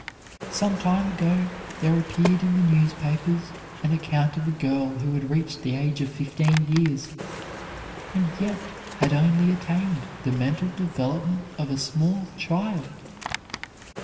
Some time ago there appeared in the newspapers an account of a girl who had reached the age of fifteen years, and yet had only attained the mental development of a small child.